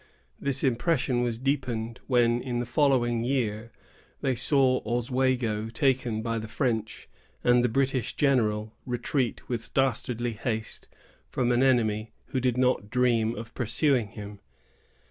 This impression was deepened, when, in the following year, they saw Oswego taken by the French, and the British general, Webb, retreat with dastardly haste from an enemy who did not dream of pursuing him.